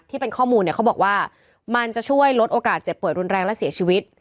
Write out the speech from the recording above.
ที่เป็นข้อมูลเนี่ยเขาบอกว่ามันจะช่วยลดโอกาสเจ็บป่วยรุนแรงและเสียชีวิต